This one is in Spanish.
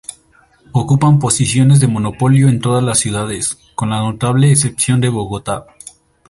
Ocupan posiciones de monopolio en todas las ciudades, con la notable excepción de Bogotá.